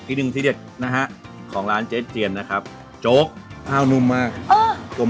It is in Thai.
อีกหนึ่งที่เด็ดนะฮะของร้านเจ๊เจียนนะครับโจ๊กข้าวนุ่มมาก